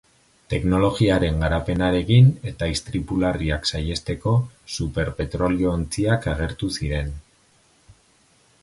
Teknologiaren garapenarekin eta istripu larriak saihesteko, super petrolio-ontziak agertu ziren.